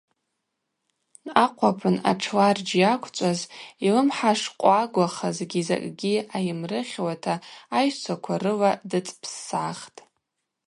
Ахъвлапын атшларджь йаквчӏваз йлымхӏа шкъвагвахазгьи закӏгьи айымрыхьуата айщчваква рыла дыцӏпссгӏахтӏ.